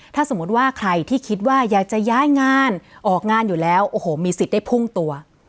ถ้าสมมุติว่าใครที่คิดว่าอยากจะย้ายงานออกงานอยู่แล้วโอ้โหมีสิทธิ์ได้พุ่งตัว